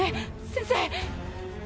先生。